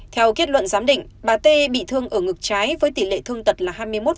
theo kết luận giám định bà t bị thương ở ngực trái với tỷ lệ thương tật là hai mươi một